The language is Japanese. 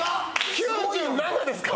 ９７ですか？